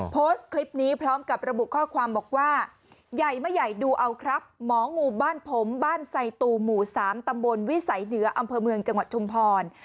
โพสต์คลิปนี้พร้อมกับระบุข้อความบอกว่าใหญ่ไม่ใหญ่ดูเอาครับหมองูบ้านผมบ้านไซตูหมู่๓ตำบลวิสัยเหนืออำเภอเมืองจังหวัดชุมพร